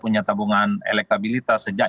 punya tabungan elektabilitas sejak